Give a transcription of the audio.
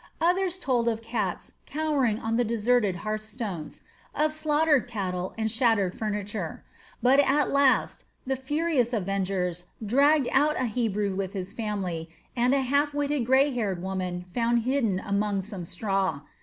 Others told of cats cowering on the deserted hearthstones, of slaughtered cattle and shattered furniture; but at last the furious avengers dragged out a Hebrew with his family and a half witted grey haired woman found hidden among some straw.